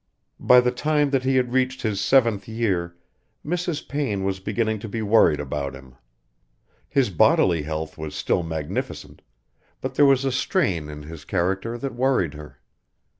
By the time that he had reached his seventh year, Mrs. Payne was beginning to be worried about him. His bodily health was still magnificent, but there was a strain in his character that worried her.